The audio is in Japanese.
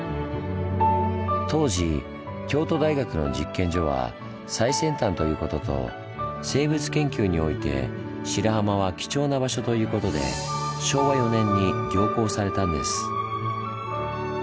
当時京都大学の実験所は最先端ということと生物研究において白浜は貴重な場所ということで昭和４年に行幸されたんです。